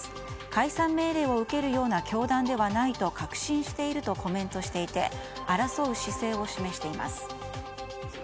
解散命令を受けるような教団ではないと確信しているとコメントしていて争う姿勢を示しています。